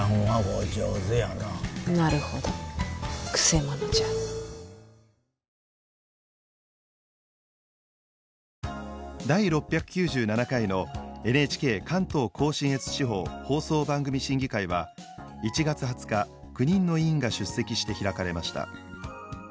読者諸君のそばにもいるかもしれません第６９７回のＮＨＫ関東甲信越地方放送番組審議会は１月２０日９人の委員が出席して開かれました。